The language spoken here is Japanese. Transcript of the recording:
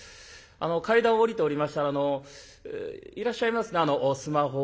階段を下りておりましたらいらっしゃいますねスマホをね